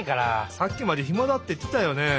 さっきまで「ひまだ」っていってたよね。